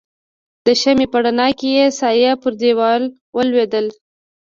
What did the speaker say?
د شمعې په رڼا کې يې سایه پر دیوال ولوېدل.